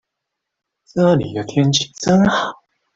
這裡的天氣真好